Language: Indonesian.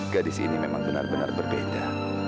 gadis ini memang benar benar berbeda